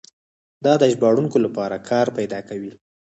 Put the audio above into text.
دا د ژباړونکو لپاره کار پیدا کوي.